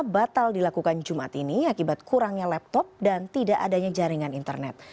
batal dilakukan jumat ini akibat kurangnya laptop dan tidak adanya jaringan internet